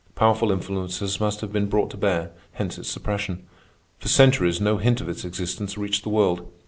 Powerful influences must have been brought to bear, hence its suppression. For centuries no hint of its existence reached the world.